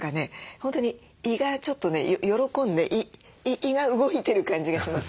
本当に胃がちょっとね喜んで胃が動いてる感じがします。